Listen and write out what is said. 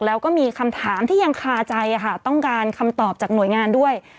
แล้วก็มีคำถามที่ยังคาใจต้องการคำตอบจากหน่วยงานด้วย